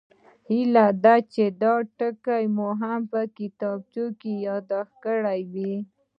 هیله ده چې دا ټکي مو په کتابچو کې یادداشت کړي وي